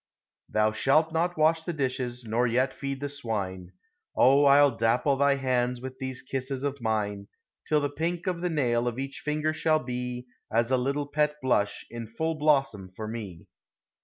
Thou shalt not wash the dishes, nor yet feed the swine! O, I'll dapple thy hands with these kisses of mine Till the pink of the nail of each finger shall be As a little pet blush in full blossom for me.